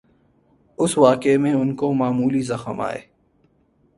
اس واقعے میں ان کو معمولی زخم آئے۔